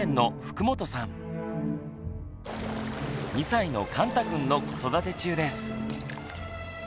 ２歳のかんたくんの子育て中です。